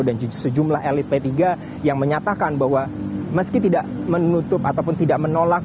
dan sejumlah elit p tiga yang menyatakan bahwa meski tidak menutup ataupun tidak menolak